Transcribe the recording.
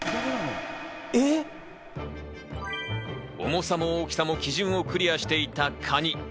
重さも大きさも基準をクリアしていたカニ。